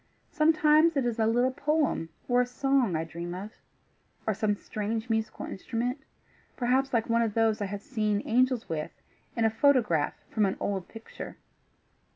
Sometimes it is a little poem or a song I dream of, or some strange musical instrument, perhaps like one of those I have seen angels with in a photograph from an old picture.